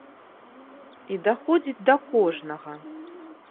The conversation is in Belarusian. І даходзіць да кожнага.